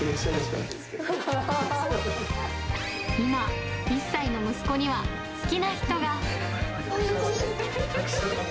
今、１歳の息子には好きな人藤井。